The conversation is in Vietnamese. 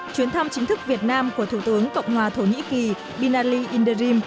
chuyến thăm chính thức việt nam của thủ tướng cộng hòa thổ nhĩ kỳ bilani indirim